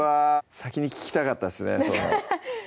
先に聞きたかったですね